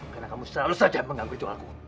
karena kamu selalu saja mengganggu jualanku